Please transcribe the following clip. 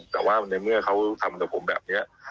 แต่ว่าในเมื่อเขาทำกับผมแบบนี้